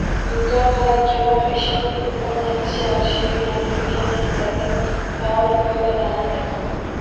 Imkon qadar kamroq ish qilib ko’proq natija olishga yo’naltirilgan usullardan faol foydalanadi